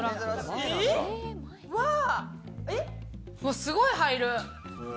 すごい入る。